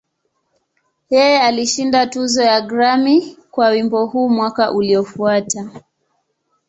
Yeye alishinda tuzo ya Grammy kwa wimbo huu mwaka uliofuata.